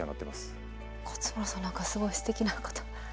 勝村さん何かすごいすてきな方。